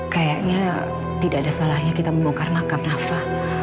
kayaknya tidak ada salahnya kita menukar makam nafa